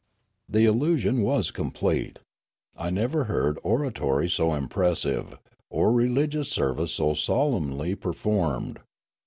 The illusion was complete. I never heard oratory so impressive, or religious service so solemnly per formed.